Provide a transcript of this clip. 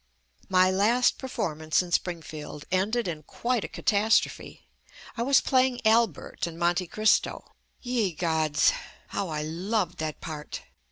My last performance in Springfield ended in quite a catastrophe. I was playing Albert in JUST ME "Monte Cristo." Ye gods! How I loved that part.